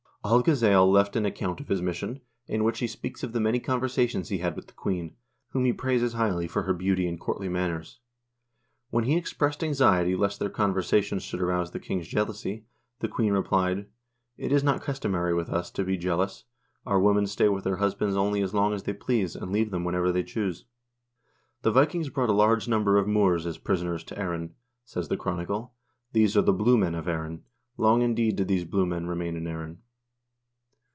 Alghazal has left an account of his mission, in which he speaks of the many conversations he had with the queen, whom he praises highly for her beauty and courtly manners. When he ex pressed anxiety lest their conversations should arouse the king's jealousy, the queen replied :" It is not customary with us to be jeal ous. Our women stay with their husbands only as long as they please, and leave them whenever they choose." "The Vikings brought a large number of Moors as prisoners to Erin," says the chronicle; "these are the blue men in Erin ... long indeed did these blue men remain in Erin."